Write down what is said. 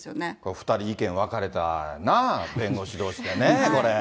２人、意見分かれたな、弁護士どうしでね、これ。